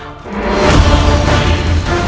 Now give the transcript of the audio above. ya allah kau mendapatkan